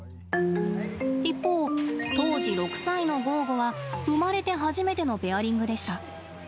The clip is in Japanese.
一方、当時６歳のゴーゴは生まれて初めてのペアリングでした。